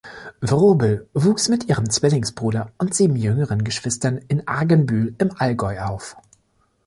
Wrobel wuchs mit ihrem Zwillingsbruder und sieben jüngeren Geschwistern in Argenbühl im Allgäu auf.